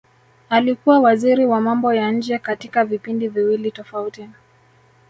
Alikuwa waziri wa mambo ya nje katika vipindi viwili tofauti